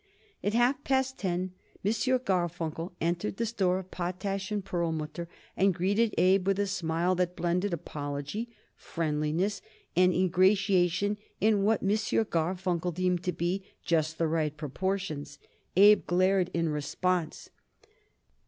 At half past ten M. Garfunkel entered the store of Potash & Perlmutter and greeted Abe with a smile that blended apology, friendliness and ingratiation in what M. Garfunkel deemed to be just the right proportions. Abe glared in response.